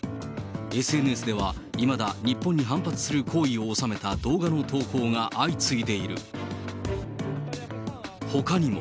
ＳＮＳでは、いまだ日本に反発する行為を収めた動画の投稿が相次いでいる。